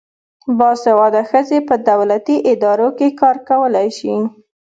باسواده ښځې په دولتي ادارو کې کار کولای شي.